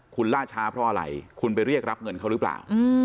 คุณล่าช้าเพราะอะไรคุณไปเรียกรับเงินเขาหรือเปล่า